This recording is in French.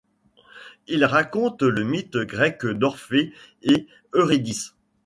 Il raconte le mythe grec d'Orphée et Eurydice.